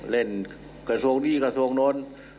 กระทรวงนี้กระทรวงโน้น